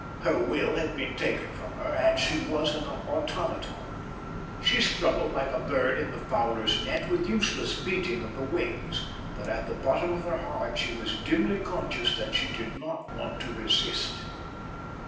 Her will had been taken from her, and she was an automaton. She struggled, like a bird in the fowler's net with useless beating of the wings; but at the bottom of her heart she was dimly conscious that she did not want to resist.